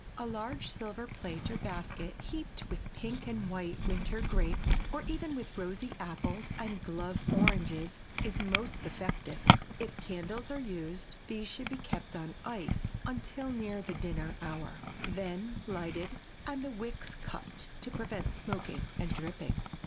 A large silver plate or basket heaped with pink and white winter grapes or even with rosy apples and "glove" oranges is most effective. If candles are used these should be kept on ice until near the dinner hour, then lighted and the wicks cut, to prevent smoking and dripping.